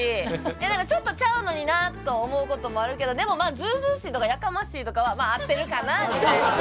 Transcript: だからちょっとちゃうのになあと思うこともあるけどでもまあずうずうしいとかやかましいとかはまあ合ってるかなあみたいな。